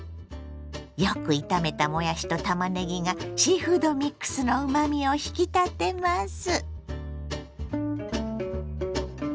よく炒めたもやしとたまねぎがシーフードミックスのうまみを引き立てます。